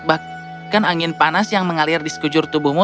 bahkan angin panas yang mengalir di sekujur tubuhmu